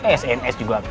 eh sns juga kagak